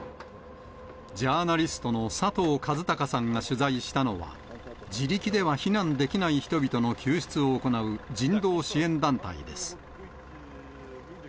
ジャーナリストの佐藤和孝さんが取材したのは、自力では避難できない人々の救出を行う、人道支援団体です。